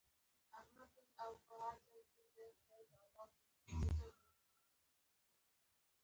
د ساه لنډۍ لپاره د قهوې او تور چاکلیټ ګډول وکاروئ